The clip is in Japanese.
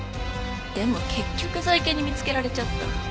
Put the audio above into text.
でも結局ゾイケンに見つけられちゃった。